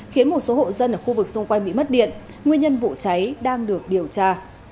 khiến một số hộ dân ở khu vực xung quanh bị mất điện nguyên nhân vụ cháy đang được điều tra